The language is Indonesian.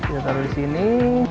kita taruh di sini